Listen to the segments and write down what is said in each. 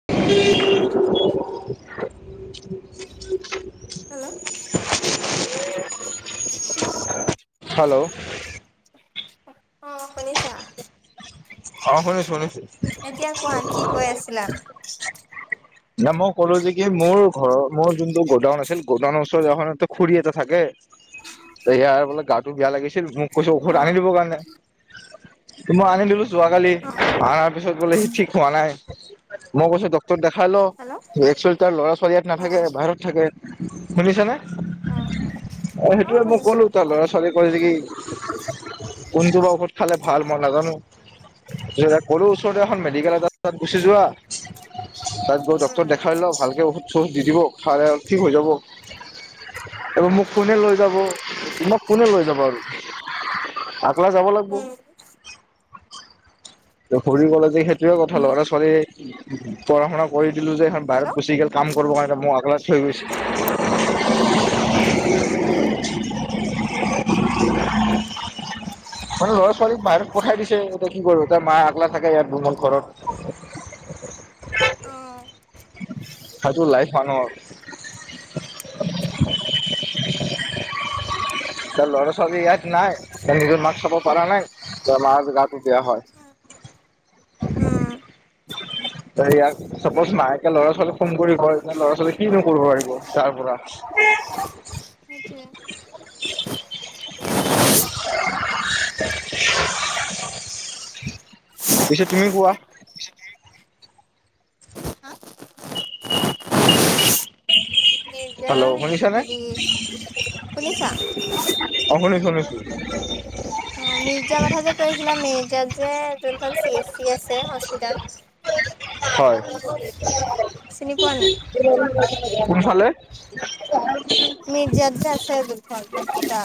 [unintelligible] Hello. [unintelligible] Hello. অঁ পাৰিছা? অ শুনিছো শুনিছো। এতিয়া কোৱা কি কৈ আছিলা? মই ক'লো যে কি মোৰ ঘৰৰ মোৰ যোনটো গ'ডাউন আছিল, গ'ডাউনৰ ওচৰৰত এখন খুৰী এটা থাকে। এইয়াৰ বোলে গা টো বেয়া লাগিছিল, মোক কৈছো ঔষধ অ আনি দিবৰ কাৰণে, মই আনি দিলো যোৱাকালি অ ভা পিছত বোলে সি ঠিক হোৱা নাই। মই কৈছো ডক্তৰক দেখাই ল। হেল্ল' [unintelligible] তাৰ ল'ৰা ছোৱালী ইয়াত নাথাকে, উম বাহিৰত থাকে শুনিছ নে? অ অ সেইটো মই কলো তাৰ ল'ৰা ছোৱালী কৰে কি? [unintelligible] কোনটো বা ঔষধ খালে ভাল মই নাজানো। কলো অ ওচৰতে এখন মেডিকেল আছে, এ তাত গুচি যোৱা। তাত গৈ ডক্টৰক উম দেখাই লওঁ। ভালকৈ ঔষধ চৌষধ দি দিব খায় আৰু ঠিক হৈ যাব। এইবাৰ মোক কোনে লৈ যাব তুমাক কোনে লৈ যাব আৰু, আগলা যাব লাগব। কৰি গ'লে যে সেইটোয়ে কথা উম লৰা- ছোৱালী পঢা শুনা কৰি দিলো যে বাহিৰত হেল্ল' গুচি গল কাম কৰিবৰ কাৰণে। মোক অকলে থৈ গৈছে। [unintelligible] উম। [unintelligible] বাৰু লৰা ছোৱালীক বাহিৰত পঠাই দিছে এতিয়া কি কৰো। [unintelligible] মা আকলা থাকে ইয়াত ভ্ৰমল ঘৰত। অ [unintelligible] এইতো লাইফ মানুহৰ। [inaudible] [inaudible] [unintelligible] ত ল'ৰা ছোৱালী ইয়াত নাই, ত নিজৰ মাক্ চাব পৰা নাই, ত মাৰ গাটো বেয়া হয়। উম ইয়াক চাপজ মায়েকে ল'ৰা ছোৱালীক ফোন কৰি কই ল'ৰা ছোৱালী কি নও পাৰিব তাৰ পৰা। তাকে [unintelligible] [inaudible] [unintelligible] [inaudible] পিছে তুমি কোৱা। [inaudible] এতিয়া শুনিছানে হেৰি শুনিছা। অ' শুনি শুনিছোঁ। মিৰ্জা কথা যে কৈ আছিলা মিৰ্জা যে যোনখন চি এছ চি আছে হস্পিতাল। হয়। চিনি পোৱা নাই কোনফালে? মিৰ্জাত যে আছে যোনখন হস্পিতাল।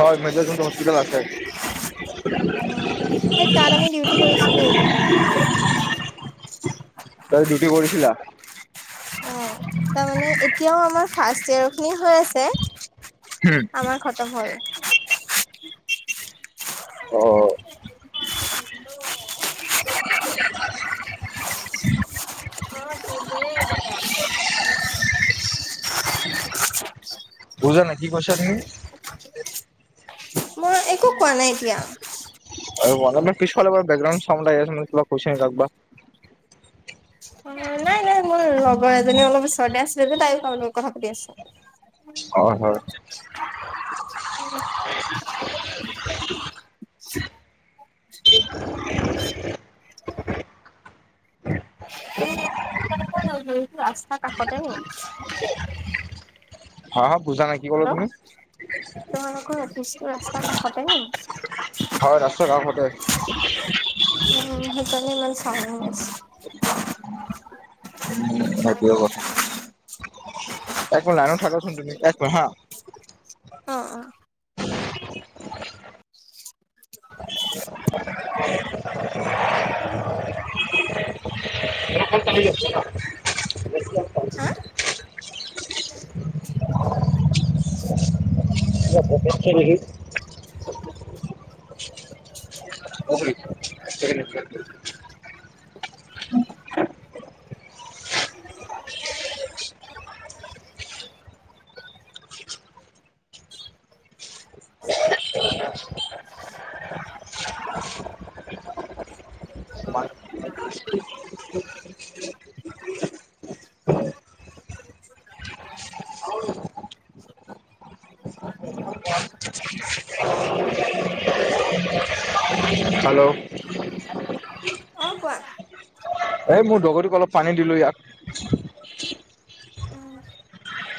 হয় মিৰ্জাত [unintelligible] হস্পিটেল আছে। উম সেই তাত আমি ডিউটি কৰিছিলো কেইদিনমান আগত। তই ডিউটি কৰিছিলা। তাৰ মানে এতিয়াও আমাৰ ফাষ্ট ইয়েৰ খিনি হৈ আছে আমাৰ খত [unintelligible] অ'। দেৰ হাজাৰ। বুজা নাই কি কৈছা তুমি। মই একো কোৱা নাই এতিয়া। একো কোৱা নাই মানে পিছফালৰ পৰা বেকগ্ৰাউণ্ড চাউণ্ড আহি আছে [unintelligible] কিবা কৈছা নেকি কাকবা। অ নাই, নাই মই লগৰ এজনী অলপ ওচৰতে আছিলে যে তাইত [unintelligible] লগত কথা পাতি আছোঁ হয়, হয়। [unintelligible] ধৰিছো ৰাস্তাৰ কাষতে নেকি? [unintelligible] হেল্ল' তোমালোকৰ অফিচটো ৰাস্তাৰ কষতে নেকি? হয় ৰাস্তাৰ কাষতে। উম সেইকাৰণে ইমান চাউণ্ড হৈ আছে। [unintelligible] একমিনট লাইনত থাকচোন তুমি এক মিনিট হা। অ', অ'। [unintelligible] হা? [unintelligible] [unintelligible] [inaudible] [inaudible] [inaudible] [inaudible] [inaudible] [inaudible] হেল্ল'। অ', কোৱা। এই মোৰ [unintelligible] অলপ পানী দিলো ইয়াক। উম।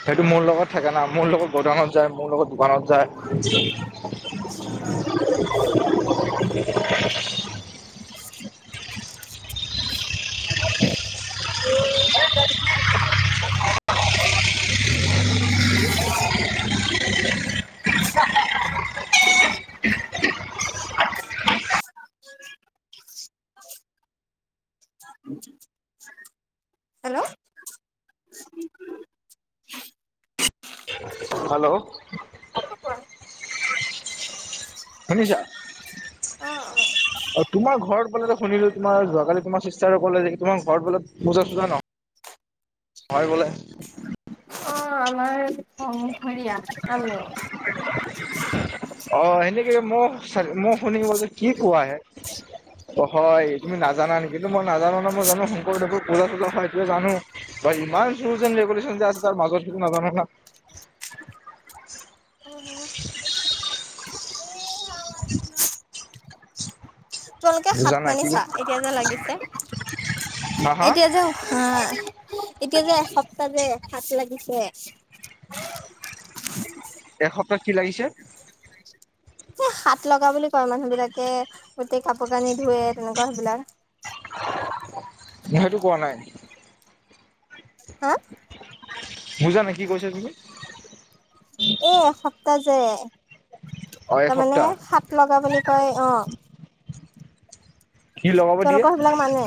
সেইটো মোৰ লগত থাকে না মোৰ লগত গুদানত যায় মোৰ লগত দোকানত যায়। অ'। [inaudible] হেল্ল' অ', হেল্ল'। শুনিছা? অ', অ'। অ', তোমাৰ ঘৰত বলে শুনিলো তোমাৰ যোৱাকালি তোমাৰ চিষ্টাৰে ক'লে যে তোমাৰ ঘৰত বোলে পূজা চুজা ন [inaudible] হয় বোলে। অ', আমাৰ সংঘৰীয়া আমি। অ', সেনেকে ম ম শুনিব কি কোৱা হে। অ', হয় তুমি নাজানা নেকি, কিন্তু মই নাজানো ন মই জানো শংকৰদেৱৰ পূজা তোজা হয় জানো। বা ইমান ৰুলছ এণ্ড ৰেগুুলেশন যে আছে তাৰ মাজত সেইটো নাজানো না। উম, হুম। সাত বুজা নাই কি মানিচা এতিয়া যে লাগিছে, হা হা এতিয়া যে আ এতিয়া যে এসপ্তাহ যে সাত লাগিছে। এসপ্তাহ কি লাগিছে? সাত লগা বুলি কয় মানুহবিলাকে গোটেই কাপোৰ কানি ধুৱে তেনেকুৱা সেইবিলাক। সেইটো কোৱা নাই। হা বুজা নাই কি কৈছা তুমি? এই এসপ্তাহ যে অ তাৰমানে এসপ্তাহ সাত লগা বুলি কয় অ'। কি লগাব দিয়ে, তেওঁলোকৰ সেইবিলাক মানে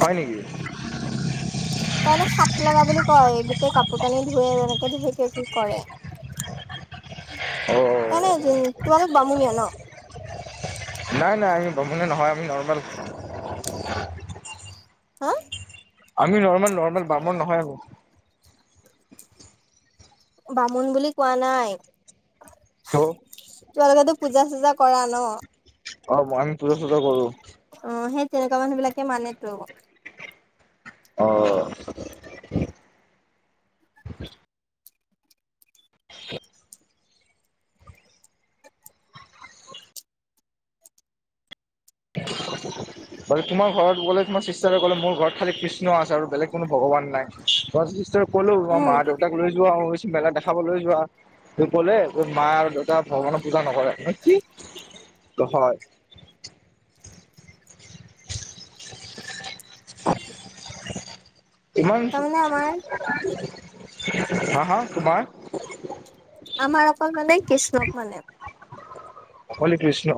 হয় নেকি? তাৰমানে সাত লগা বুলি কয় গোটেই কাপোৰ কানি ধোৱে তেনেকে [unintelligible] কি কৰে। অ তাই নে জোন তোমালোক বামুণীয়া ন'? নাই নাই আমি বামুণীয়া নহয় আমি নৰ্মেল। হা? আমি নৰ্মেল নৰ্মেল বামুণ নহয় আমি। বামুণ বুলি কোৱা নাই। তো? তোমালোকেটো পূজা চুজা কৰা ন'? অ', মান পূজা চূজা কৰোঁ। অ', সেই তেনেকুৱা মানুহবিলাকে মানেটো। অ'। [inaudible] [inaudible] বাকী তোমাৰ ঘৰত বোলে তোমাৰ চিষ্টাৰে ক'লে মোৰ ঘৰত খালি কৃষ্ণ আছে আৰু বেলেগ কোনো ভগবান নাই [unintelligible] ক'লো মই উম মা দেউতাক লৈ যোৱা [unintelligible] মেলা দেখাবলৈ যোৱা ত' ক'লে মা আৰু দেউতা ভগৱানৰ পূজা নকৰে, মই বোলো কি? তহয় ইমান তাৰমানে আমাৰ হা হা তোমাৰ? আমাৰ অকল মানে কৃষ্ণক মানে। হৰি কৃষ্ণ।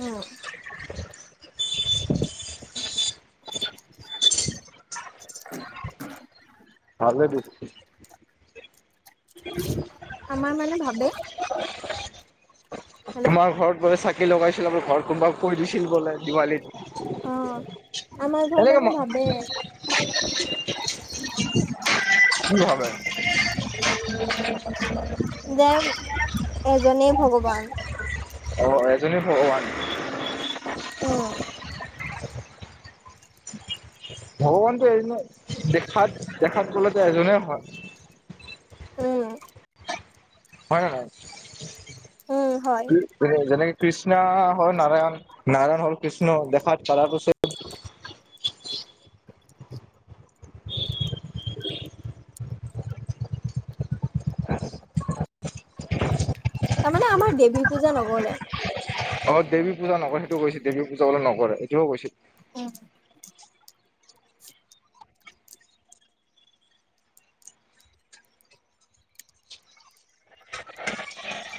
উম। [inaudible] [inaudible] ভালেটো। আমাৰ মানে ভাবে [inaudible] হেল্ল' তোমাৰ ঘৰত বোলে চাকি লগাইছিলো, তোমাৰ ঘৰত কোনোবাই কৈ দিছিল বোলে দিৱালীত। অ আমাৰ ঘৰত এনেকে মানে ভাবে [inaudible] কি ভাবে দে এজনেই ভগৱান। অ এজনেই ভগবান অঁহ। ভগৱানটো এজনে দেখাত দেখাত কলেটো এজনেই হয়। উম হয় হয়, উম হয় যেনেকে কৃষ্ণা হয় নাৰায়ণ নাৰায়ণ হল কৃষ্ণা দেখাত পাৰটোছে তাৰমানে আমাৰ দেৱী পূজা নকৰে। অ দেৱী পূজা নকৰে সেইটোও কৈছে দেৱী পূজা বোলে নকৰে এইটোও কৈছে। উম। [inaudible]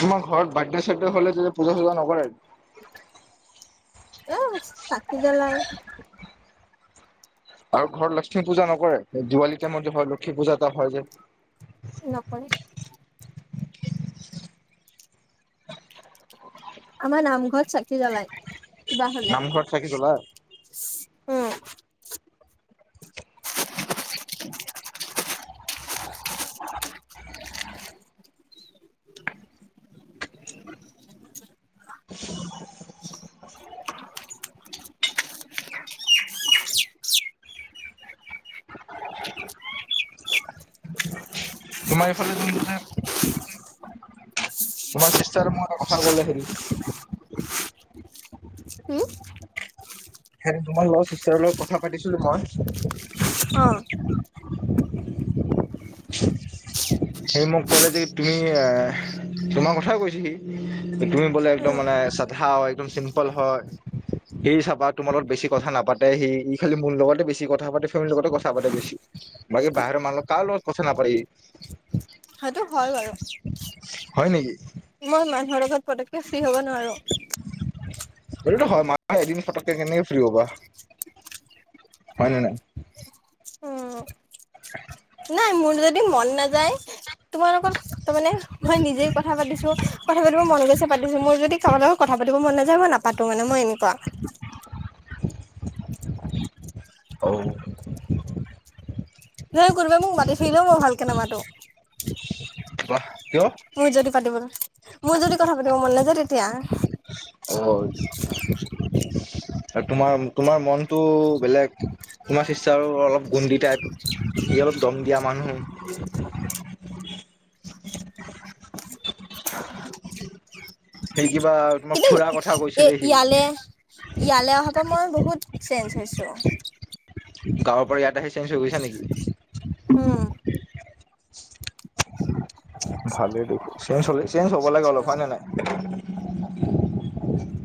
তোমাৰ ঘৰত বাৰ্থডে চাৰ্থডে হলে পূজা চূজা নকৰে? এ চাকি জ্বলাই। আৰু ঘৰত লক্ষ্মী পূজা নকৰে দিৱালী টাইমত যে হয় লক্ষ্মী পূজা এটা হয় যে? নকৰে আমাৰ নামঘৰত চাকি জ্বলাই কিবা হ'লে। নামঘৰত চাকি জ্বলাই [inaudible] [inaudible] তোমাৰ এইফালে যোনটো যে তোমাৰ চিষ্টাৰে মোক এটা কথা কলে সেইদিন উম সেইদিন তোমাৰ চিষ্টাৰ লগত কথা পাতিছিলো মই। অহ হি মোক ক'লে যে তুমি এ তোমাৰ কথাই কৈছে হি তুমি বোলে একদম উম মানে চাধা হয় একদম চিম্পল হয়। হি চাবা তোমাৰ লগত বেছি কথা নাপাতে সি ই খালি মোৰ লগতে বেছি কথা পাতে ফেমিলিৰ লগতে কথা পাতে বেছি। বাকী বাহিৰৰ মানুহ লগত কাৰো লগত কথা নাপাতে হি সেইটো হয় বাৰু। হয় নেকি? মই মানুহৰ লগত পতকে পটককে ফ্ৰী হ'ব নোৱাৰো। সেইটোতো হয় মানুহে এদিন পটককে কেনেকে ফ্ৰী হ'বা। হয় নে নাই? উম [inaudible] নাই মোৰ যদি মন নাযায় তোমাৰ লগত তাৰমানে মই নিজেই কথা পাতিছো কথা পাতিব মন গৈছে পাতিছো মোৰ যদি কাবাৰ লগত কথা পাতি ব মন নাযায় মই নাপাতো মানে মই এনেকুৱা। অ। যদি কোনোবাই মোক মাতি থাকিলও মই ভালকে নামাতো। [inaudible] বাহ কিয়? মোৰ যদি পাতিব মন, মোৰ যদি কথা পাতিব মন নাযায় তেতিয়া। অ তোমাৰ, তোমাৰ মনটো বেলেগ। তোমাৰ চিষ্টাৰ অলপ গুন্দি টাইপ সি অলপ দম দিয়া মানুহ। [inaudible] সেই কিবা তোমাক কিন্তু এ ইয়ালে ইয়ালে অহাৰ পৰা মই বহুত, চেঞ্জ হৈছোঁ। গাঁৱৰ পৰা ইয়াত আহি চেঞ্জ হৈ গৈছা নেকি? উম' ভালেই দেখো চেইঞ্জ চেইঞ্জ হ'ব লাগে অলপ হয় নে নাই?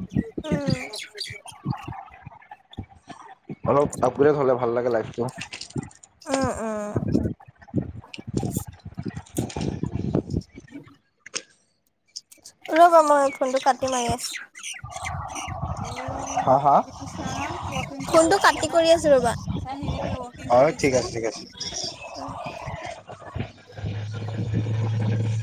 উম' অলপ আপগ্ৰেড হলে ভাল লাগে লাইফটো। উম', উম'। [inaudible] ৰব মই ফোনটো কাটি মাৰি আছোঁ। হা হা ফোনটো কাটি কৰি আছোঁ ৰবা সি ৱাকিং হয় কৰি ঠিক ঠিক আছে? [inaudible]